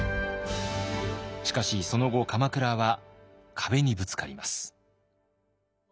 しかしその後鎌倉は壁にぶつかります。